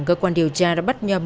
cơ quan điều tra đã bắt nhầm